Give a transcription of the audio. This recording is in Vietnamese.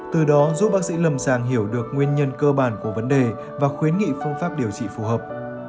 từ đó giúp bác sĩ lâm sàng hiểu được nguyên nhân cơ bản của vấn đề và khuyến nghị phương pháp điều trị phù hợp